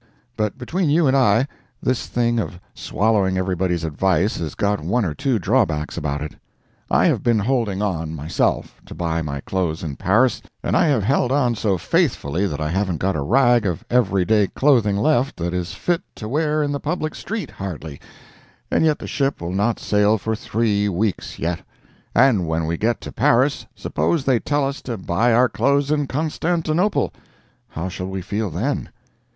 But between you and I, this thing of swallowing everybody's advice has got one or two drawbacks about it. I have been holding on myself, to buy my clothes in Paris, and I have held on so faithfully that I havn't got a rag of every day clothing left that is fit to wear in the public street, hardly—and yet the ship will not sail for three weeks yet. And when we get to Paris, suppose they tell us to buy our clothes in Constantinople—how shall we feel then?